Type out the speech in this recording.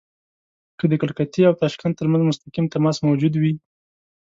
که د کلکتې او تاشکند ترمنځ مستقیم تماس موجود وي.